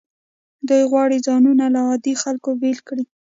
دوی غواړي ځانونه له عادي خلکو بیل کړي.